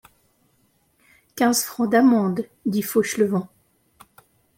Quinze francs d’amende, dit Fauchelevent.